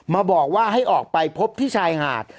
มาบอกว่าให้ออกไปพบที่ชายหาด